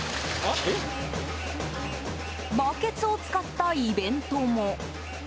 バケツを使ったイベントも。